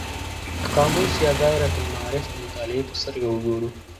د قاموس یا دایرة المعارف د مطالعې په سترګه وګورو.